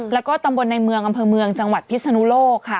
แล้วก็ตำบลในเมืองอำเภอเมืองจังหวัดพิศนุโลกค่ะ